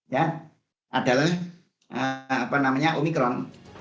ya adalah omicron